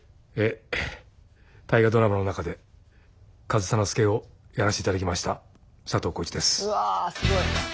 「大河ドラマ」の中で上総介をやらせていただきました佐藤浩市です。